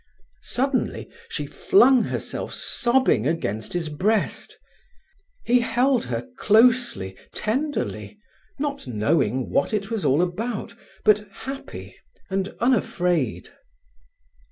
Suddenly she flung herself sobbing against his breast. He held her closely, tenderly, not knowing what it was all about, but happy and unafraid.